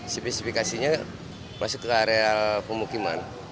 spesifikasinya masuk ke areal pemukiman